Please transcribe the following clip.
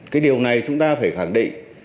cái điều này chúng ta phải khẳng định